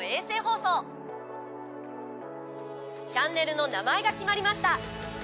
チャンネルの名前が決まりました。